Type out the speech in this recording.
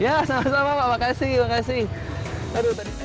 ya sama sama pak makasih makasih